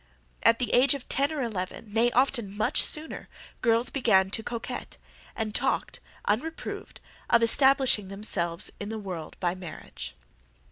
At the age of ten or eleven; nay, often much sooner, girls began to coquet, and talked, unreproved, of establishing themselves in the world by marriage.